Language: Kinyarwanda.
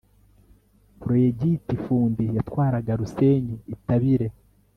proyegiti fundi yatwaraga rusenyi-itabire